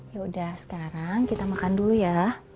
yaudah sekarang kita makan dulu ya